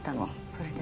それで。